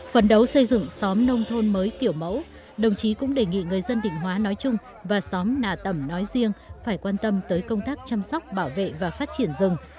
phấn đấu xây dựng xóm nông thôn mới kiểu mẫu đồng chí cũng đề nghị người dân định hóa nói chung và xóm nà tẩm nói riêng phải quan tâm tới công tác chăm sóc bảo vệ và phát triển rừng